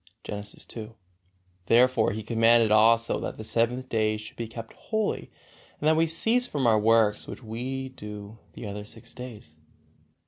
Genesis ii. Therefore He commanded also that the seventh day should be kept holy and that we cease from our works which we do the other six days.